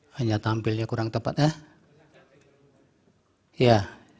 hanya tampilnya kurang tepat ya